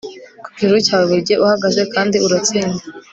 ku gihuru cyawe burigihe uhagaze kandi uratsinda